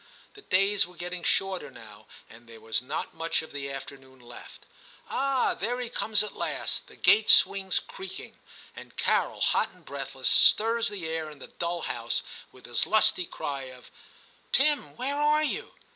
The days were getting shorter now, and there was not much of the afternoon left. Ah ! there he comes at last. The gate 52 TIM CHAP. swings creaking, and Carol, hot and breath less, stirs the air in the dull house with his lusty cry of ' Tim, where are you